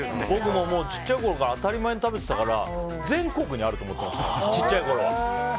小さいころから当たり前に食べてたから全国にあると思ってました。